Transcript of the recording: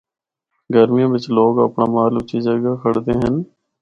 گرمیاں بچ لوگ اپنڑا مال اُچی جگہ کھڑدے ہن۔